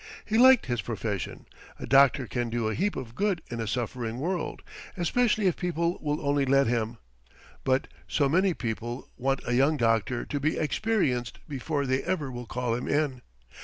He liked his profession. A doctor can do a heap of good in a suffering world especially if people will only let him. But so many people want a young doctor to be experienced before they ever will call him in!